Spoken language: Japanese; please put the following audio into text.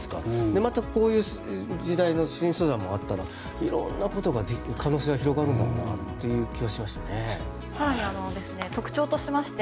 また、こういう時代の新素材もあったら色んなことが可能性が広がるんだろうなという気がしました。